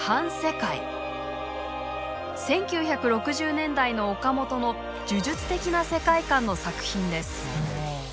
１９６０年代の岡本の呪術的な世界観の作品です。